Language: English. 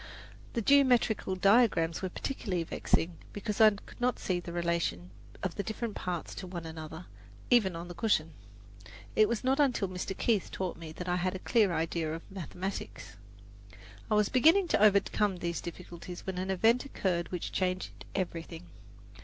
The geometrical diagrams were particularly vexing because I could not see the relation of the different parts to one another, even on the cushion. It was not until Mr. Keith taught me that I had a clear idea of mathematics. I was beginning to overcome these difficulties when an event occurred which changed everything.